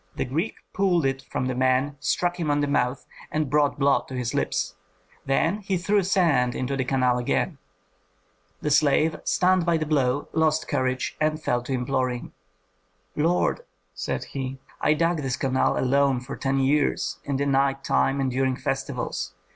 The Greek pulled it from the man, struck him on the mouth, and brought blood to his lips; then he threw sand into the canal again. The slave, stunned by the blow, lost courage and fell to imploring. "Lord," said he, "I dug this canal alone for ten years, in the night time and during festivals!